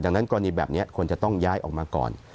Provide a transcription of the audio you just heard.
ดังนั้นกรณีแบบนี้ควรจะต้องย้ายออกมาก่อน